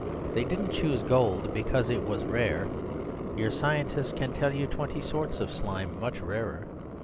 They didn't choose gold because it was rare; your scientists can tell you twenty sorts of slime much rarer.